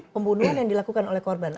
pembunuhan yang dilakukan oleh korban